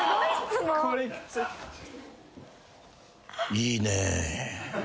いいね。